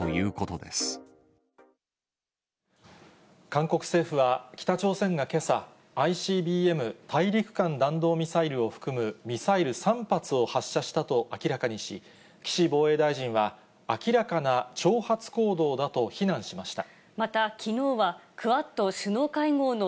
韓国政府は、北朝鮮がけさ、ＩＣＢＭ・大陸間弾道ミサイルを含むミサイル３発を発射したと明らかにし、岸防衛大臣は、明らかな挑発行動だと非難しました。